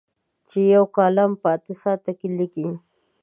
چې یو کالم په اته ساعته کې لیکي.